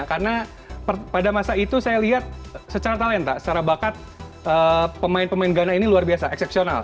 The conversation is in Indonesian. karena pada masa itu saya lihat secara talenta secara bakat pemain pemain ghana ini luar biasa ekseksional